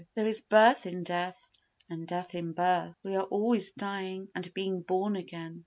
There is birth in death and death in birth. We are always dying and being born again.